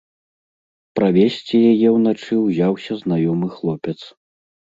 Правесці яе ўначы ўзяўся знаёмы хлопец.